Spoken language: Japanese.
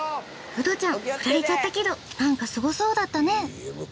ウドちゃんフラれちゃったけどなんかすごそうだったね。